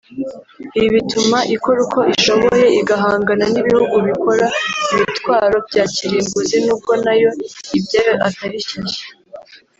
Ibi bituma ikora uko ishoboye igahangana n’ ibihugu bikora ibitwaro bya kirimbuzi nubwo nayo ibyayo atari shyashya